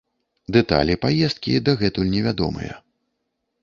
Дэталі паездкі дагэтуль невядомыя.